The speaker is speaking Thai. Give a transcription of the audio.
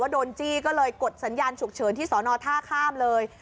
โดนจี้ก็เลยกดสัญญาณฉุกเฉินที่สอนอท่าข้ามเลย